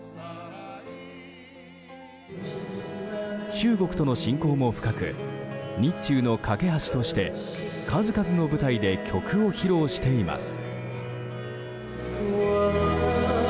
中国との親交も深く日中の懸け橋として数々の舞台で曲を披露しています。